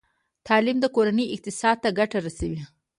تعلیم د کورنۍ اقتصاد ته ګټه رسوي۔